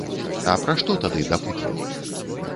А пра што тады дапытвалі?